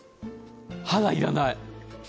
歯がいらない。